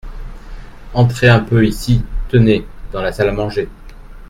Entrez un peu ici, tenez, dans la salle à manger.